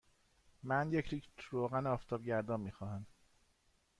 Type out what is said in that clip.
من یک لیتر روغن آفتابگردان می خواهم.